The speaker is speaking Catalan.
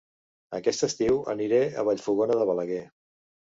Aquest estiu aniré a Vallfogona de Balaguer